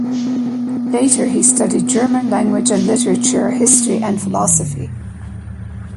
Later he studied German language and literature, history and philosophy.